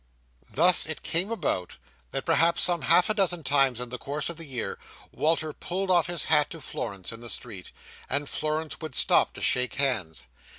Thus it came about that, perhaps some half a dozen times in the course of the year, Walter pulled off his hat to Florence in the street, and Florence would stop to shake hands.